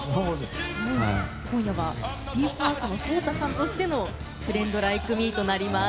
今夜はＢＥ：ＦＩＲＳＴのＳＯＴＡさんとしての「フレンド・ライク・ミー」となります。